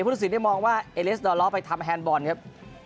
ผู้ตัดสินได้มองว่าเอเลสดอลล้อไปทำแฮนด์บอลครับ